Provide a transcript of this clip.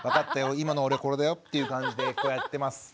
今の俺これだよっていう感じでこうやってます。